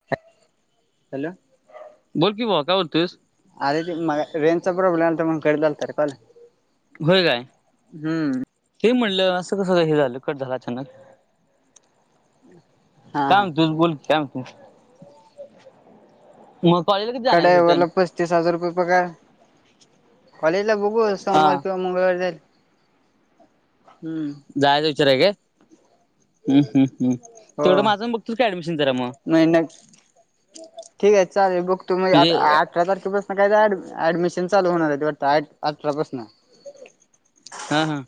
[unintelligible] Hello! बोल की भावा काय बोलतोयस? अरे त मग रेजचा प्रॉब्लेम आला तर मग गरी झाला रे कॉल. होय काय हम्म ते म्हटलं असं कस हे झालं कट झालं अचानक. हा काय हा म्हणतोस बोल की आणखीन. [unintelligible] [inaudible] मग कॉलेजला कधी एका जाणार आहेस रिटर्न ड्रायव्हरला पस्तीस हजार पगार कॉलेजला बघू आज सोमवार हा किंवा मंगळवारी जात जायच विचारय का हम् हम् हम्म. हो तेवढं माझा पणबघतोस का ऍडमिशन जरा मग? नाही न ठीक आहे चालेल बघतो मी म्हणजे अठरा तारखेपासून मग काय एँड ऍडमिशन चालू होणार आहे ते अठरापासून हा हा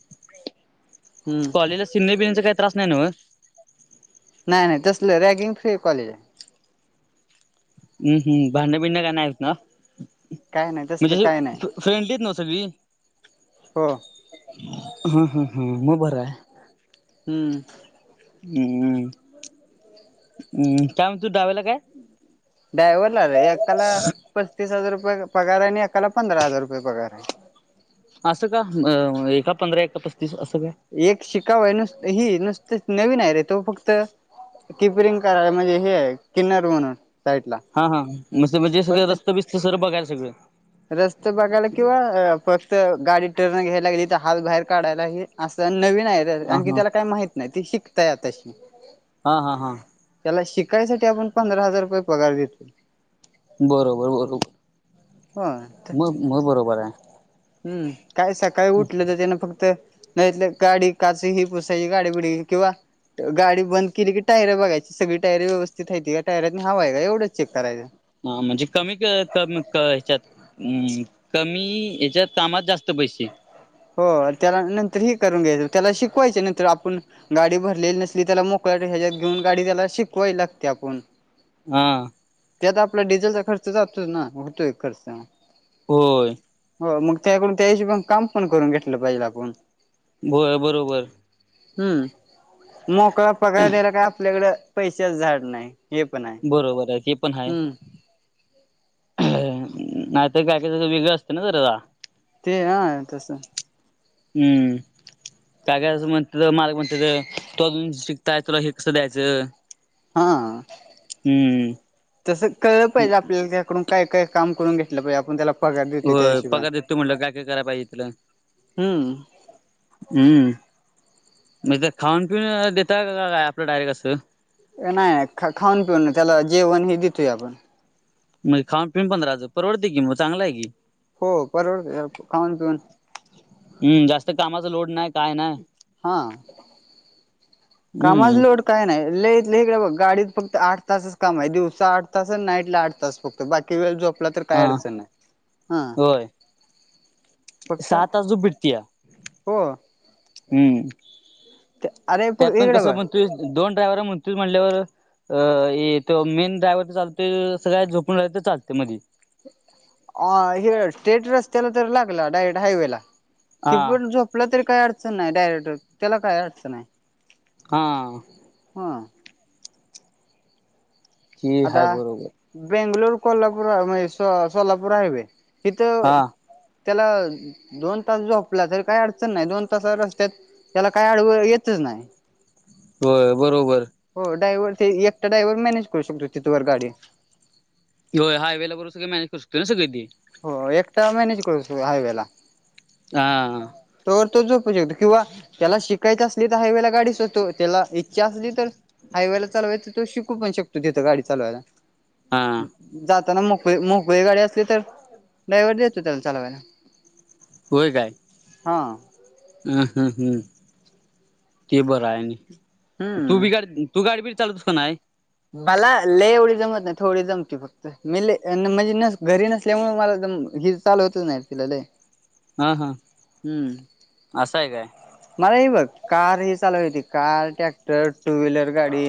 हम्म कॉलेजला सिमने बिणीचा काही त्रास नाही नव्ह? नाही नाही तसलं रॅगिंग फ्री आहे कॉलेज. हम हम भांडण बिडण काही नाहीत ना? काय नाही तसलं काय नाही म्हणजेशी फ्रेंडलीत नव सगळी? हो हा हा हा मग बर आहे. हम्म. हम्मम् हम्म काय म्ह तू डावेला काय हम् [inaudible] ड्रायव्हरला रे एकाला पस्तीस हजार रुपये पगार आहे आणि एकाला पंधरा हजार रुपये पगार आहे. असं का एका पंधरा एका पस्तीस असं का? एक शिकावं आहे नुसत ही नुसतच नवीन आहे रे तो फक्त. किपरिंग करा म्हणजे हे किन्नर म्हणून साईड ला. हा हां म म्हणजे सगळे रस्त बिस्त सर बघायला सगळं हिकड. रस्त बघायला किंवा फक्त गाडी टर्न घ्यायला लागली तर हात बाहेर काढायला ह असं नवीन आहे. हा आणखी हा त्याला काही माहित नाही ती शिकताय आताशी हा हा हा. त्याला शिकायसाठी आपण पंधरा हजार रुपये पगार देतो. बरोबर बरोबर हो मग मग बरोबर आहे. हम्म काय सकाळी उठलं तर त्यान फक्त नाहीत गाडी काच ही पुसायची गाडी बिडी किंवा गाडी बंद केली की टायरे बघायची सगळी टायरे व्यवस्थित हयती का टायरनी हवा आहे का एवढच चेक करायचं. हा म्हणजे कमी क क कमी ह्याच्यात. हम्म कमी याच्यात कामात जास्त पैसे. हो त्याला नंतर हे करून घ्यायचं त्याला शिकवायचं नंतर आपण गाडी भरलेली नसली त्याला मोकळात ह्याच्यात घेऊन गाडी त्याला शिकवाय लागतया आपुण. हा. त्यात आपला डिझेलचा खर्च जातो ना होतोय खर्चा. होय. हो मग त्याकडून त्या हिशोबाने काम पण करून घेतलं पाहिजे आपण. बोय बरोबर हम्म मोकळा पगार द्यायला काय आपल्याकडे पैशाचा झाड नाही हे पण आहे. बरोबर आहे ते पण आहे हम्म. नाही तर काय कायचा तो वेगळं असते ना जरा. ते ह तसं. हम्म. काही काही जन म्हणत्यात मालक म्हणत्यात तो अजून शिकताय तला हे कसं द्यायचं? हा हम्म तस कळलं पाहिजे आपल्याला त्याकडून. काही काही काम करून घेतलं पाये आपण त्याला पगार देतोय हो त्या हिशोबाने. पगार देतू म्हणलं काय काय करायला पाहिजे त्यालं. हम्म उम्म म तर खाऊन पिऊन देत का काय आपलं डायरेक्ट असं नाही खाऊन पिऊन नाही त्याला जेवण हे देतोय आपण मग खाऊन पिऊन पंधरा हजार परवडते की मग चांगला आहे की. हो परवडते खाऊन पिऊन. हम्म जास्त कामाचा लोड नाही काय नाय. कामाज लोड काय नाय लय लंय हेकडे बघ गाडीत फक्त आठ तासच काम आहे दिवसा आठ तास आणि नाईटला आठ तास फक्त. तर बाकी वेळ झोपला तर काय हा अडचण नाय हा. फक्त सात आजु बीडतया हो हम्म अरे फ त्यात पण इकडे कसं बघ म्हण दोन ड्राव्हर आहे म्हणतोस म्हटल्यावर अ ए तो मेन ड्रायव्हर तर चालतो सगळ्या झोपून रायच चालते मधी अ हे स्ट्रेट रस्त्याला तर लागला डायरेक्ट हायवे ला कि हा पण जो आपलं तरी काय अडचण नाही डायरेक्ट त्याला काय अडचण आहे? हा. हा. की आता हाय बरोबर. बेंगलोर कोल्हापूरा सोलापुर हायवे हेत हा त्याला दोन तास झोपला तरी काही अडचण नाही दोन तास रस्त्यात त्याला काय आडव येतच नाही. होय बरोबर हो डायव्हर ते एकटा डायवर मॅनेज करू शकतो तिथवर गाडी. यो हायवे बरु सगळे मॅनेज करू शकतोय ना सगळी बी. हो एकटा मॅनेज करू शो हायवे ला. हा हा. तोवर तो झोपू शकतो किंवा त्याला शिकायचं असली तर हायवेला गाडी सोतो त्याला इच्छा असली तर हायवे ला चालवायचं तो शिकू पण शकतो तिथं गडी चालवायला. हां. जाताना मोकळी मोकळी गाडी असली तर ड्रायवर देतो त्याला चालावायला. होय काय हम्म हम्म हम्म ते बरं आहे आणि तू हम्म बी गाडी तू गाडी बिडी चालवतोस का नाय? बाला लय एवढी जमत नाही थोडी जमती फक् तय मिले अ न म्हणजे नस घरी नसल्यामुळे मला जम हि चालवतो नाय तिलाले. हा हा असं आहे काय. मला ही बघ कार ही चालव्हायला येते कार, ट्रॅक्टर, टू व्हीलर गाडी.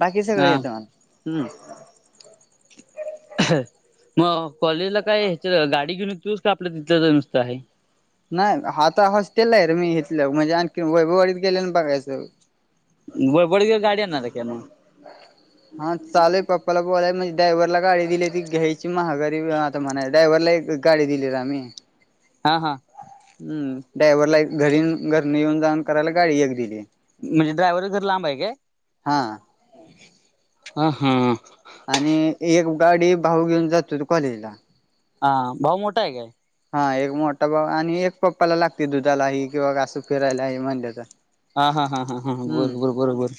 बाकी सगळ हा येतं मला हम्म. म कॉलेजला काय ह्याच्या गाडी घेऊन येतोस का आपलं तिथल्याच नुसतं आहे? नाही आता हॉस्टेल आहे रे मी घेतलं म्हणजे आणखी वैभववाडीत गेले ना बघायचं. ब बळगेवर गाडी आणणार आहे का म? हा चालय पप्पाला बोलाय म्हणजे ड्रायवरला गाडी दिलेली ती घ्यायची महागारी वयात ते म्हणा ड्रायवरला एक गाडी दिली रे आम्ही. हा हा. हम्म डायव्हरला घरी घरनं येऊन जाऊन करायला गाडी एक दिली आहे. म्हणजे ड्रायव्हर घर लांब आहे काय हा आ हा. आणि एक गाडी भाऊ घेऊन जातो तो कॉलेज ला. हा भाऊ मोठा आहे काय? हा एक मोठा भाऊ आणि एक पप्पाला लागते दुधालाही किंवा असं फिरायला हे म्हणल्या तर. आ हा हा हा हा हम्म बरोबर बरोबर.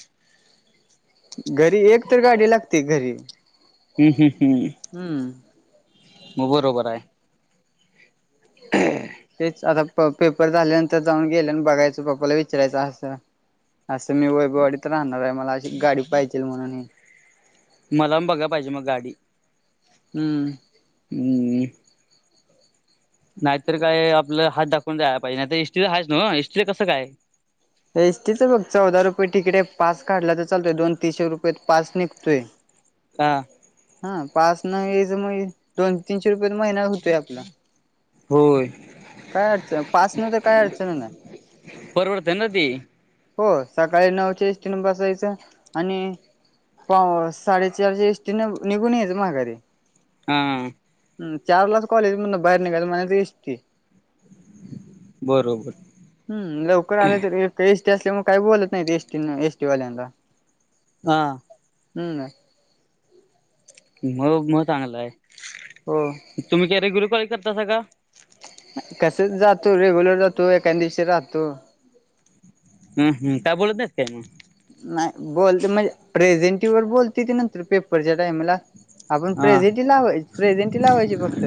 घरी एक तर गाडी लागते घरी. हम्म हम्म हम्म. हम्म. म बरोबर आहे. [unintelligible] तेच आता प पेपर झाल्यानंतर जाऊन गेल्या आणि बघायचं पप्पाला विचारायचं असं असं मी वैभवाडीत राहणार आहे मला अशी गाडी पाहिजेल म्हणून हे मला पण बघा पाहिजे मग गाडी. हम्म. उम्म नाहीतर काय आपला हात दाखवून जायला पाहिजे नाही एस टी ला आहेच ना एस टी ला कसं काय? एस टी चं बघ चौदा रुपये तिकीट आहे पास काढला तर चालतोय दोन तीनशे रुपयत पास निघतोय. [unintelligible] [unintelligible] का हा पास ना घ्यायाचा मग हे दोन तीनशे रुपये महिना होतोय आपला. होय काय अडचण पास नव्हता काय अडचण नाही. परवडते ना ती. हो सकाळी नऊच्या एस टी ने बसायचं आणि त्यामुळं साडेचार जी एस टी ने निघून यायचं माघारी. आं हम्म चारलाच कॉलेज म्हणून बाहेर निघायच म्हणायचं ते एस टी बरोबर हम्म लवकर आले तर ते एस टी असल्यामुळे काही बोलत नाही ती एस टी ना एस टी वाल्यांना. आं हम्म नाय मग मग चांगल हाय. हो. तुम्ही रेग्युलर पाळी करता साका? कसं जातो रेग्युलर जातो, एखादं दिवशी राहतो. हम्म हम्म. काय बोलत नाहीत काय? नाही बोलते म्हणजे प्रेझेंटीवर बोलते ती नंतर पेपरच्या टायमाला. आपण हा प्रेझेंटी लावाय प्रेझेंटी लावायची फक्त.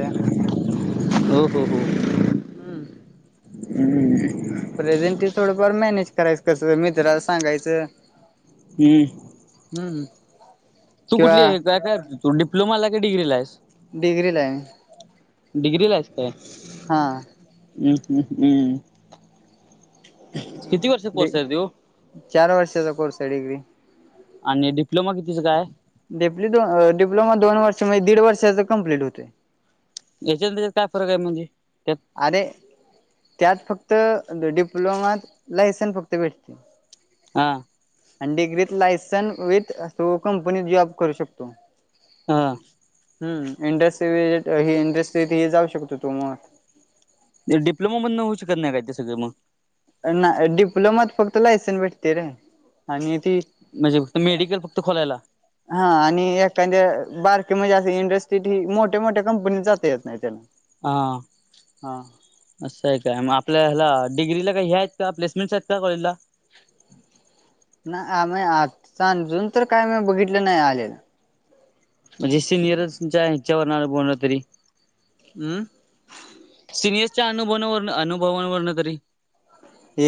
हो हो हो. हम्म हम्म. प्रेझेंटी थोडंफार मॅनेजं करायचं कसं मित्राला सांगायचं. हम्म. हम्म. तू कुठली किंवा आहे काय काय तु डिप्लोमाला हाय की डिग्रीला आहेस? डिग्रीला हाय. डिग्रीला आहेस काय? हा. हं हं हं. किती वर्ष डी कोर्स आहे त्यो? चार वर्षचा कोर्स आहे डिग्री. आणि डिप्लोमा कितीचं काय? डीप्लि अ डिप्लोमा दोन वर्ष म्हणजे दीड वर्षाच कम्प्लिट होतोय. याच्यात आणि त्याच्यात काय फरक आहे म्हणजे? त्यात अरे त्यात फक्त डिप्लोमात लायसन्स फक्त भेटतंय. हा. आणि डिग्रीत लायसन विथ तो कंपनीत जॉब करू शकतो. हा. हं इंडस्ट्री विझीट ही इंडस्ट्रीतही जाऊ शकतो तू मग. डिप्लोमामधनं होऊ शकत नाही काय ते सगळं मग. ना डिप्लोमात फक्त लायसन भेटतंय र. आणि ती म्हणजे फक्त मेडिकल फक्त खोलायला. हा आणि एखांद्या बारकी म्हणजे असं इंडस्ट्रीत हि मोठ्या मोठ्या कंपनी जाता येत नाही त्याला. हा. हा असं हाय काय? मग आपल्या ह्याला डिग्रीला काही ह्या आहेत का प्लेसमेंट्स आहेत का कॉलेजला? नाय आमी आज अंजून तर काय बघितलं नाही आलेलं. म्हणजे सिनियरच तुमच्या ह्यांच्यावर ना बोलवतीली. अं? सिनियर्सच्या अनुभुवन अनुभवावरनं तरी.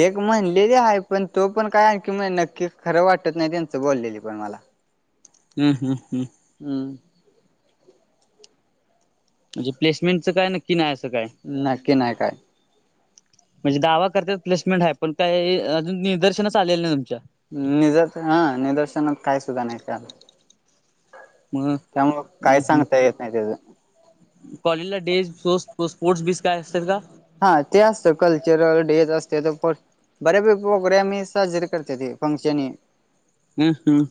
एक म्हणलेली आहे पण तोपण काय आणखी मग नक्की खरं वाटत नाही त्यांच बोललेली पण मला. हम्म हम्म हम्म. हम्म. रिप्लेसमेंटच काय नक्की नाय असं काय. नक्की नाय काय. म्हणजे दावा करत्यात प्लेसमेंट हाय, पण काय अजून निदर्शनास आलेल नाही तुमच्या. निदर् हा निदर्शनात काय सुद्धा नाही कळालं. मग हम्म काय हम्म. सांगता येत नाही त्याच कॉलेजला डेज [unintelligible] स्पोर्ट्स बीस काय असतंय का? हा ते असतं कल्चरल डेज असत्यात पर बऱ्यापै प्रोग्राम साजरे करते ते फंक्शन हि. हम्म हम्म.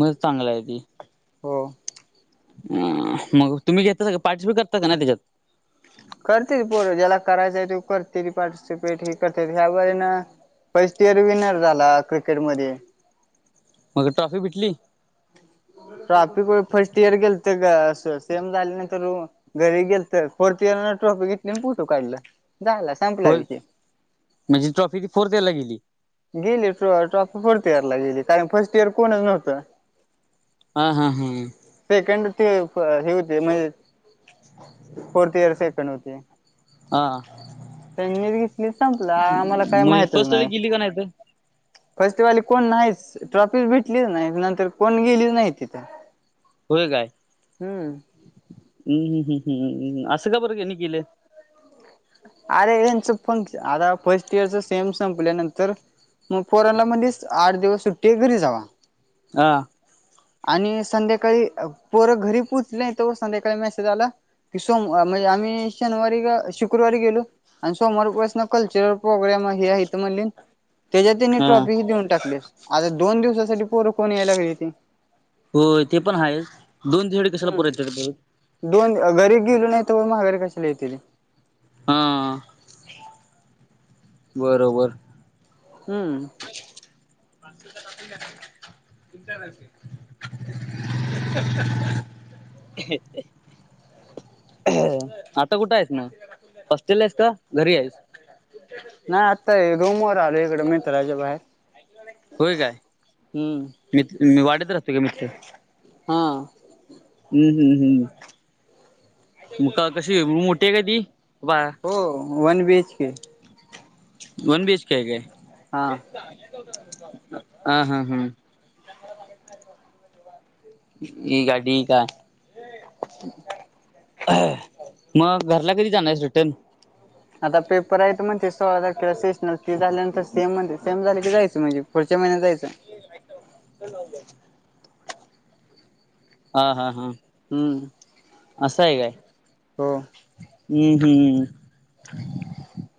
मग चांगलं आहे की. हो.. [unintelligible] तुम्ही घेतासा का पार्टिसिपेट करता? की नाही त्याच्यात? करतेय की पोर ज्याला करायचं त्यो करतोय की पार्टिसिपेट हे करते ह्या बारीनं. फर्स्ट इयर विनर झाला क्रिकेट मध्ये. मग ट्राफी भेटली? ट्राॅफि का फर्स्ट इयर गेल तर ग सेम झाले नाही तर. घरी गेल तर फर्स्ट इयर न ट्रॉफी घेतली आणि फोटू काढला झाला [unintelligible] होय म्हणजी ट्रॉफी ती फोर्थ हयाला गेली. गेली ट्रॉप फोर्थ इयर ला गेली, कारण फर्स्ट इयर कोणच नव्हतं? हा.. हा.. हा... हम्म.. सेकंड ते हे होते म्हणजे फोर्थ इयर सेकंड इयर होती. हा.. [inaudible] त्यांनी घेतली संपला. आम्हाला काय? मग माहितच फर्स्ट नाही. इयरला गेली का तर फर्स्टवाली कोण नाहीच? ट्रॉफी भेटलीच नाहीत नंतर कोण? गेलीच नाही तिथे. [unintelligible] होय काय? हम्म.. हम् हम् हमं असं का? बरं त्यांनी केलं? अरे यांचं फंक्शन आता फर्स्ट इयरच सॅम सेम संपल्यानंतर. मगपोरनला मध्येच आठ दिवस सुट्टी घरी जावा. हा.. आणि संध्याकाळी पोरं घरी पोचली नाही, तोवर संध्याकाळी मेसेज आला. की सोम आम्ही शनिवारी का शुक्रवारी गेलो? आणि सोमवारपासून कल्चरल प्रोग्राम हे आहेत म्हणले. त्याच्यात त्यांनी हा ट्रॉफी बी देऊन टाकली अस आता दोन दिवसासाठी पोर कोण यायला लागले ती? होय ते पण आहेच दोन तिकड कसला हम्म. परत यायला पाहिजे? दोन घरी गेली नाही तोवर माघारी कशाला येतील? हा.. बरोबर हम्म.. [inaudible] जातय का नाही? तुमच्या [unintelligible] [inaudible] हंं हंं.. हंं... हींं.. हां आता कुठं आहेस मग? हॉस्टेलास आहेस का घरी आहेस? नाही आत्ता रूमवर आलोय इकडं मित्राच्या बाहेर. होय काय? हम्म मी मी वाडीत राहतो काय मित्र? हा. हम्म हम्म हम्म मग का? कशी? मोठी आहे का ती? बा हो वन बीएच के. वन बी एच के हाय काय? हा.. हा.. हा.. हंम.. ही गाडी का? [inaudible] [unintelligible] हम मग घरला कधी? जाणार आहेस रिटर्न. आता पेपर आहेत म्हण ते सोळा तारखेला सेश ते झाल्यानंतर सेम म्हण सेम झाले की जायचं म्हणजे. पुढच्या महिन्यात जायचं. ते ऐक ना तर हे लावून दया हा.. हा.. हा.. हम्म असं हाय काय? हो उम्म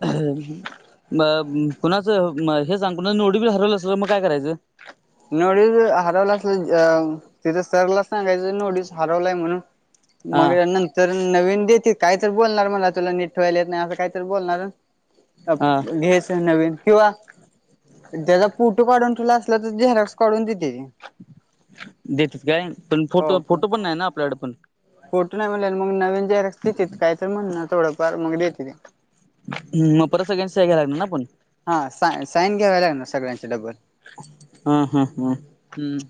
हम्म. म कुणाचं हे सांग कोणाच नोटीफिकेशन हरवलं असेल मग काय करायचं? नोटस हरवला असल, तिथं सरला सांगायचं नोटीस हरवलाय म्हणून. हा मग हे नातं तर नवीन देतील काही तर, बोलणार मला तुला नीट कळलेलं नाही असं काहीतरी बोलणार. हा घ्यायचा नवीन किंवा त्याचा फोटो काढून ठेवला असला झेरॉक्स काढून देते. तेच काय? पण हो फोटो फोटो पण नाही ना आपल्याकडे पण. फोटो नाही म्हणत्यात, मग नवीन जेयरक्स देते काय तर म्हण थोडंफार मग देत ते ह मग परत सगळ्याची सई घ्याय लागणार पण? हा सा साईन घ्यावा लागणार, सगळ्यांचे डबल. हा हा हा. हम्म.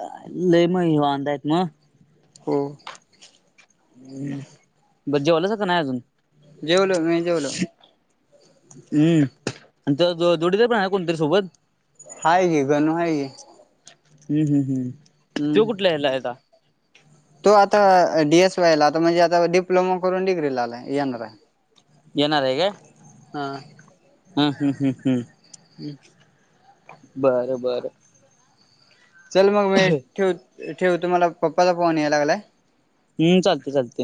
काय लय मय वांदे आहेत मग. हो. बर जेवलंच का नाही अजून? जेवलो, मी जेवलो. हम्म आणि जोडीदार पण आहे कोणतरी सोबत. हाय की गणू हाय की! हम्म हम् हम्. हम्म. तो आता डी एस वाय ला, आता म्हणजे आता डिप्लोमा करून डिग्रीला येणार. येणारा हाय काय हम्म हम्म हम्म हम्म. हम्म. बर बर. चल मग मी ठेव ठेवतो, मला पप्पाचा फोन यायला लागलाय. हम्म, चालते चालते.